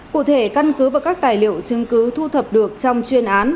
cụ thể căn cứ và các tài liệu chứng cứ thu thập được trong chuyên án